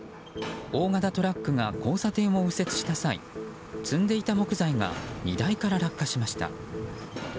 大型トラックが交差点を右折した際積んでいた木材が荷台から落下しました。